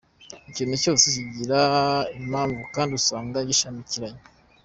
Ikintu cyose kigira impamvu kandi usanga zishamikiranye .